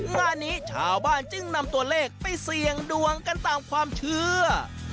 งานนี้ชาวบ้านจึงนำตัวเลขไปเสี่ยงดวงกันตามความเชื่อ